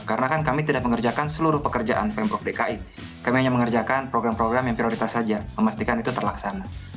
karena kami tidak mengerjakan seluruh pekerjaan pm prof dki kami hanya mengerjakan program program yang prioritas saja memastikan itu terlaksana